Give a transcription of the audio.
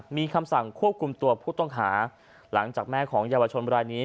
มีคำสั่งควบคุมตัวผู้ต้องหาหลังจากแม่ของเยาวชนรายนี้